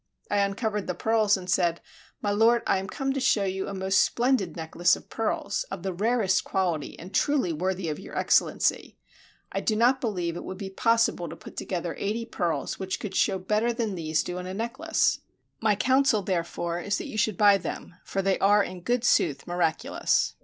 I uncovered the pearls and said, "My lord, I am come to show you a most splendid necklace of pearls, of the rarest quality, and truly worthy of your Excellency; I do not believe it would be possible to put together eighty pearls which could show better than these do in a necklace. My counsel therefore is that you should buy them, for they are in good sooth miraculous."